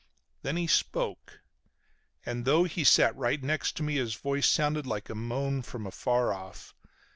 Then he spoke. And though he sat right next to me his voice sounded like a moan from afar off.